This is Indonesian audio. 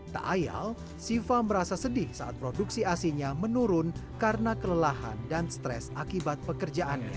tak ayal siva merasa sedih saat produksi asinya menurun karena kelelahan dan stres akibat pekerjaannya